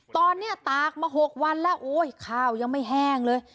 ตอนนี้ตากมา๖วันแล้วโอ้ยข้าวยังไม่แห้งเลย